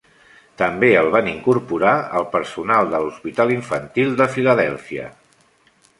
També el van incorporar al personal de l'hospital infantil de Filadèlfia.